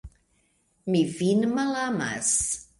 Mi vin malamas!